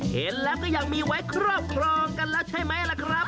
เห็นแล้วก็ยังมีไว้ครอบครองกันแล้วใช่ไหมล่ะครับ